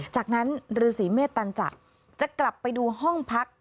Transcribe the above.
จากนั้นฤษีเมตตันจะกลับไปดูห้องพัก